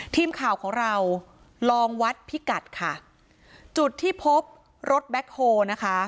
ทีมข่าวของเราลองวัดพิกัดค่ะจุดที่พบรถแบ็คโฮลนะคะ